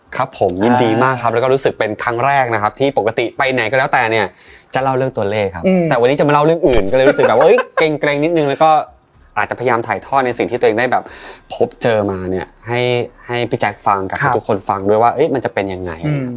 ครับผมยินดีมากครับแล้วก็รู้สึกเป็นครั้งแรกนะครับที่ปกติไปไหนก็แล้วแต่เนี่ยจะเล่าเรื่องตัวเลขครับแต่วันนี้จะมาเล่าเรื่องอื่นก็เลยรู้สึกแบบเกร็งนิดนึงแล้วก็อาจจะพยายามถ่ายทอดในสิ่งที่ตัวเองได้แบบพบเจอมาเนี่ยให้พี่แจ๊คฟังกับทุกคนฟังด้วยว่ามันจะเป็นยังไง